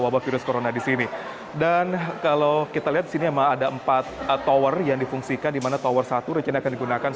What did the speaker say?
baik dari bagaimana